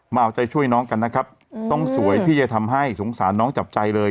มาเอาใจช่วยน้องกันนะครับต้องสวยที่จะทำให้สงสารน้องจับใจเลย